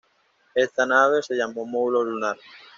Esta nave se llamó módulo lunar.